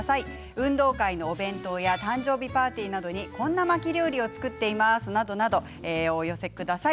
運動会のお弁当や誕生日パーティーなどにこんな巻き料理を作っていますなどなどお寄せください。